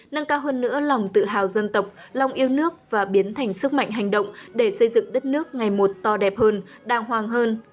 nâng cao hơn nữa lòng tự hào dân tộc lòng yêu nước và biến thành sức mạnh hành động để xây dựng đất nước ngày một to đẹp hơn đàng hoàng hơn